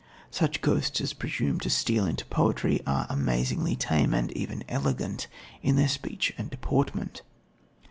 Such ghosts as presume to steal into poetry are amazingly tame, and even elegant, in their speech and deportment.